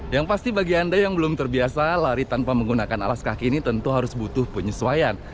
yang pasti bagi anda yang belum terbiasa lari tanpa menggunakan alas kaki ini tentu harus butuh penyesuaian